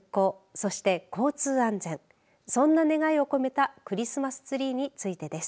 そんな願いを込めたクリスマスツリーについてです。